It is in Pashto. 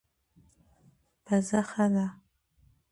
پزه ښه ده.